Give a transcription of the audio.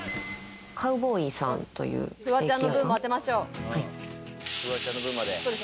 カウボーイさんというステーキ屋さん。